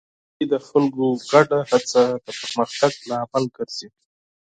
نړۍ کې د خلکو ګډه هڅه د پرمختګ لامل ګرځي.